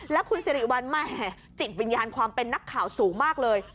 แล้วคุณสิริวัลแหมจิตวิญญาณความเป็นนักข่าวสูงมากเลย